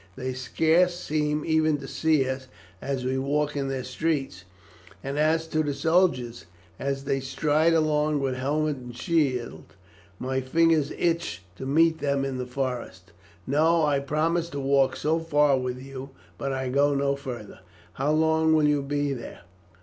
They scarce seem even to see us as we walk in their streets; and as to the soldiers as they stride along with helmet and shield, my fingers itch to meet them in the forest. No; I promised to walk so far with you, but I go no farther. How long will you be there?"